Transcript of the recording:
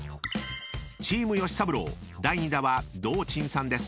［チームよしさぶろう第２打は堂珍さんです］